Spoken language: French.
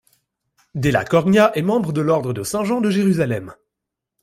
Della Corgna est membre de l'ordre de Saint-Jean de Jérusalem.